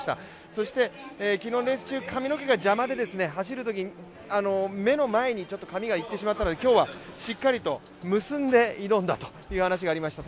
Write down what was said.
そして、昨日のレース中髪の毛が邪魔で走るとき、目の前に髪がいってしまったので今日はしっかりと結んで挑んだという話がありました。